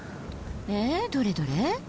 どれどれ？